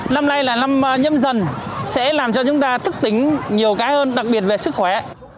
năm nay là năm nhâm dần sẽ làm cho chúng ta thức tính nhiều cái hơn đặc biệt về sức khỏe